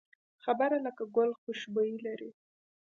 خبره لکه ګل خوشبويي لري